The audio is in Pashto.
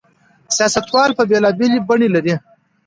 سياستوال بېلابېلې بڼې لري.